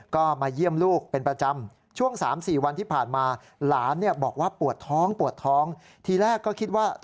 ก็มาเยี่ยมลูกเป็นประจำ